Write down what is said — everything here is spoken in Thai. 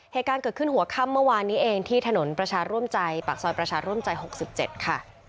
เหตุการณ์เกิดขึ้นหัวค่ำเมื่อวานนี้เองที่ถนนประชาร่วมใจปากซอยประชาร่วมใจ๖๗ค่ะ